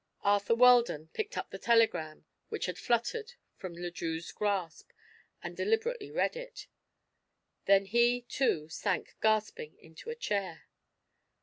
Arthur Weldon picked up the telegram which had fluttered from Le Drieux's grasp and deliberately read it. Then he, too, sank gasping into a chair.